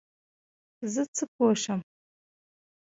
زه څه پوه شم ؟